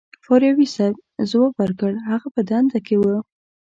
فاریابي صیب ځواب ورکړ هغه په دنده کې و.